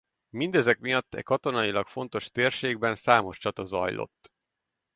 Mindezek miatt e katonailag fontos térségben számos csata zajlott.